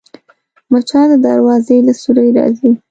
مچان د دروازې له سوري راځي